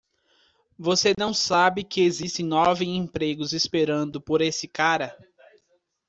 Você não sabe que existem nove empregos esperando por esse cara?